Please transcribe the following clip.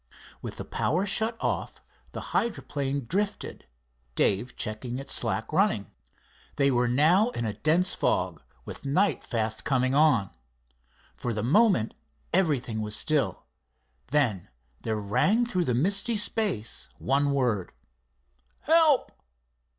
With the power shut off, the hydroplane drifted, Dave checking its slack running. They were now in a dense fog; with night fast coming on. For the moment everything was still. Then there rang through the misty space one word: "Help!"